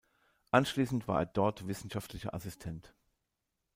Anschließend war er dort wissenschaftlicher Assistent.